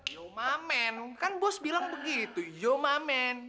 yoma men kan bos bilang begitu yoma men